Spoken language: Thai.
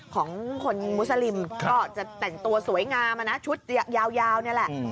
ของคนมุสลิมก็จะแต่งตัวสวยงามชุดยาวนี่แหละ